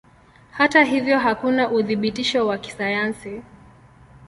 Hata hivyo hakuna uthibitisho wa kisayansi.